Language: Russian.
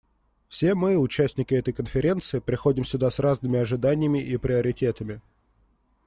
Все мы, участники этой Конференции, приходим сюда с разными ожиданиями и приоритетами.